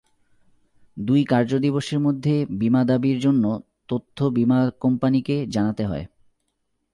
দুই কার্য দিবসের মধ্যে বিমা দাবির জন্য তথ্য বিমা কোম্পানিকে জানাতে হয়।